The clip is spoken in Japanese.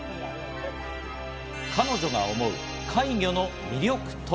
彼女が思う怪魚の魅力とは？